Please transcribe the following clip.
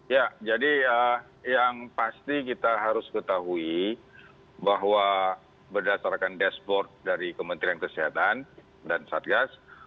ya jadi yang pasti kita harus ketahui bahwa berdasarkan dashboard dari kementerian kesehatan dan satgas